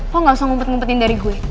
kok gak usah ngumpet ngumpetin dari gue